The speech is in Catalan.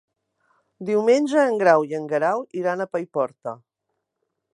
Diumenge en Grau i en Guerau iran a Paiporta.